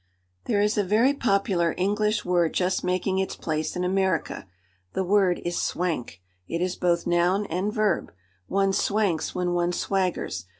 There is a very popular English word just making its place in America. The word is "swank." It is both noun and verb. One swanks when one swaggers.